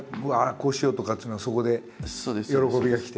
こうしよう！とかってというのはそこで喜びがきて？